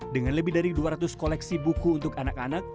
dengan lebih dari dua ratus koleksi buku untuk anak anak